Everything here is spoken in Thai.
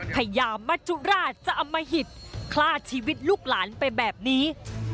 พญามัจจุราชจะอมหิตคลาดชีวิตลูกหลานไปแบบนี้